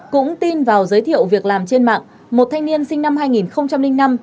cũng tin vào giới thiệu việc làm trên mạng một thanh niên sinh năm hai nghìn năm